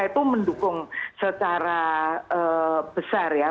itu mendukung secara besar ya